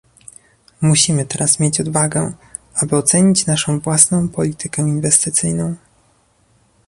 Musimy teraz mieć odwagę, aby ocenić naszą własną politykę inwestycyjną